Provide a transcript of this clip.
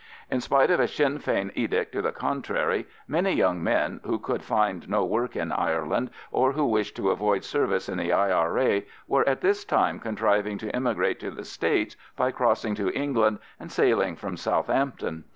In spite of a Sinn Fein edict to the contrary, many young men, who could find no work in Ireland, or who wished to avoid service in the I.R.A., were at this time contriving to emigrate to the States by crossing to England and sailing from Southampton.